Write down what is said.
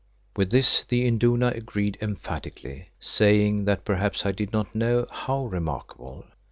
With this the Induna agreed emphatically, saying that perhaps I did not know how remarkable.